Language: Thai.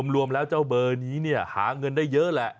รวมแล้วเจ้าเบอร์นี้หาเงินได้เยอะแหละ